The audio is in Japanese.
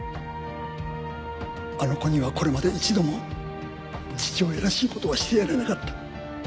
あの子にはこれまで一度も父親らしい事はしてやれなかった。